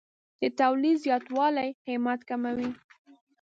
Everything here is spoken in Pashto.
د تولید زیاتوالی قیمت کموي.